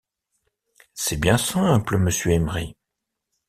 C’est bien simple, monsieur Emery.